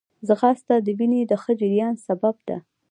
ځغاسته د وینې د ښه جریان سبب ده